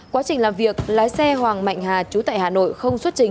quá trình làm việc lái xe hoàng mạnh hà chú tại hà nội không xuất trình